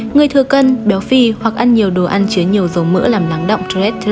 người thừa cân béo phi hoặc ăn nhiều đồ ăn chứa nhiều dầu mỡ làm nắng động